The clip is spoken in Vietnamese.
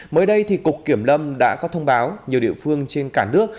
mới đây thì cục kiểm lâm đã có thông báo nhiều địa phương trên cả nước